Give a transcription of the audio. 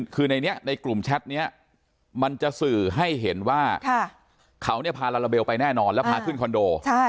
คือในนี้ในกลุ่มแชทนี้มันจะสื่อให้เห็นว่าเขาเนี่ยพาลาลาเบลไปแน่นอนแล้วพาขึ้นคอนโด